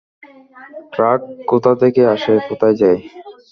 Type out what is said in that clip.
Truck কোথা থেকে আসে, কোথায় যায়?